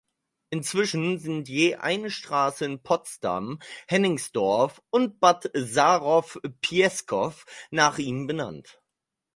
Inzwischen sind je eine Straße in Potsdam, Hennigsdorf und Bad Saarow-Pieskow nach ihm benannt.